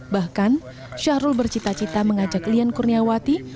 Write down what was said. bahkan syahrul bercita cita mengajak lian kurniawati